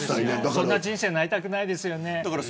そんな人生になりたくないですよね。